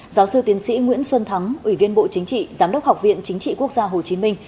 giáo sư tiến sĩ nguyễn xuân thắng ủy viên bộ chính trị giám đốc học viện chính trị quốc gia hồ chí minh